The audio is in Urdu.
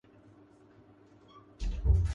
میرا جملہ ہے میں ہی وضاحت کر دوں گا